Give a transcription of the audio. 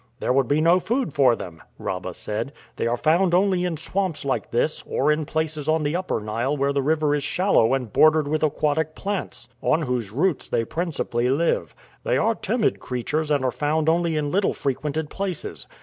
"There would be no food for them," Rabah said. "They are found only in swamps like this, or in places on the Upper Nile where the river is shallow and bordered with aquatic plants, on whose roots they principally live. They are timid creatures and are found only in little frequented places.